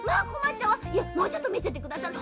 もうちょっとみててくださる？